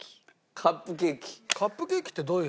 カップケーキってどういう？